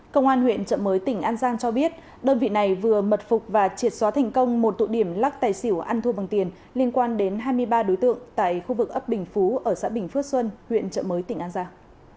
công an huyện trợ mới tỉnh an giang cho biết đơn vị này vừa mật phục và triệt xóa thành công một tụ điểm lắc tài xỉu ăn thua bằng tiền liên quan đến hai mươi ba đối tượng tại khu vực ấp bình phú ở xã bình phước xuân huyện trợ mới tỉnh an giang